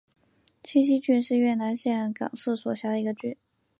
清溪郡是越南岘港市所辖的一个郡。